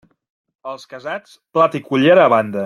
Els casats, plat i cullera a banda.